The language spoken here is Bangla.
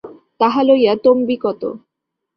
তাহা লইয়া তম্বী কত?